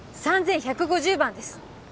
３１５０番です